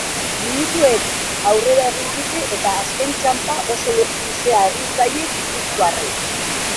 Minutuek aurrera egin dute eta azken txanpa oso luzea egin zaie gipuzkoarrei.